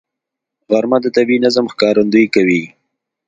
غرمه د طبیعي نظم ښکارندویي کوي